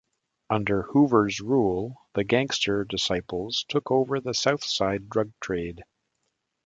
Under Hoover's rule, the Gangster Disciples took over the South Side drug trade.